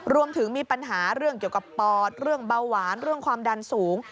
มีปัญหาเรื่องเกี่ยวกับปอดเรื่องเบาหวานเรื่องความดันสูง